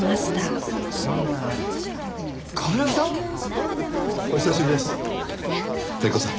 冠城さん？お久しぶりですネコさん。